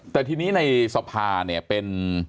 แต่ทีนี้ในสภาเนี่ยเป็น